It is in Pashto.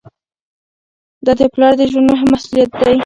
دا د پلار د ژوند مهم مسؤلیت دی.